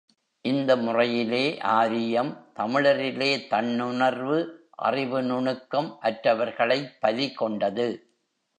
இந்த முறையிலே, ஆரியம் தமிழரிலே தன்னுணர்வு, அறிவு நுணுக்கம் அற்றவர்களைப் பலி கொண்டது.